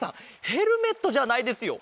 ヘルメットじゃないですよ。